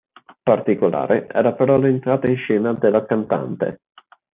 Particolare era però l'entrata in scena della cantante.